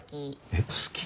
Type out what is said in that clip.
えっ好き？